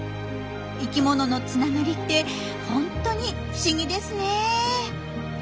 生きもののつながりってホントに不思議ですね。